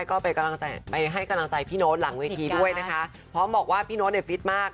ก็ลงให้กำลังใจเขียก